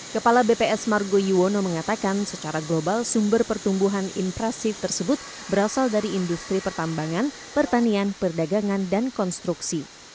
kepala bps margo yuwono mengatakan secara global sumber pertumbuhan impresif tersebut berasal dari industri pertambangan pertanian perdagangan dan konstruksi